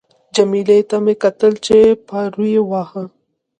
جميله ته مې کتل چې پارو یې واهه.